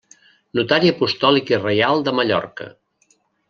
Notari apostòlic i reial de Mallorca.